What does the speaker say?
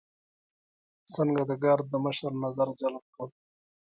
څنګه د ګارد د مشر نظر جلب کړم.